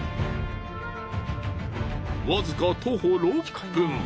わずか徒歩６分。